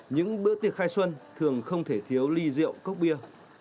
những bữa tiệc khai xuân thường không thể thiếu ly rượu cốc bia